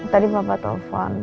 tadi bapak telepon